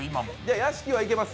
屋敷がいきます。